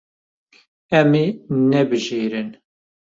Em ê nebijêrin.